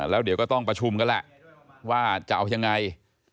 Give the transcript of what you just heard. แล้วเดี๋ยวก็ต้องประชุมกันแหละว่าจะเอายังไง